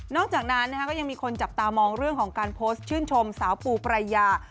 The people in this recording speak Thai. จากนั้นก็ยังมีคนจับตามองเรื่องของการโพสต์ชื่นชมสาวปูปรายา